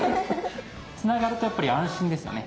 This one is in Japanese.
つながるとやっぱり安心ですよね。